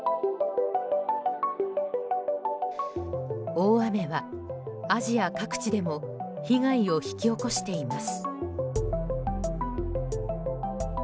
大雨は、アジア各地でも被害を引き起こしています。